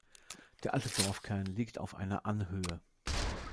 Der alte Dorfkern liegt auf einer Anhöhe.